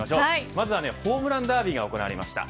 まずはホームランダービーが行われました。